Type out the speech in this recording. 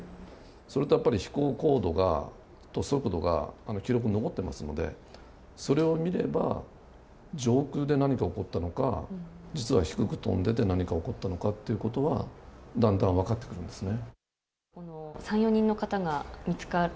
それから飛行高度や速度が記録に残っていますのでそれを見れば上空で何が起こったのか実は低く飛んでて何が起こったのかがだんだん分かってくるんですね。